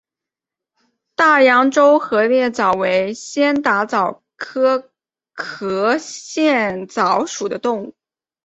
大洋洲壳腺溞为仙达溞科壳腺溞属的动物。